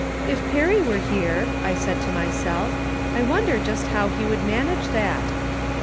" If Perry were here," I said to myself, " I wonder just how he would manage that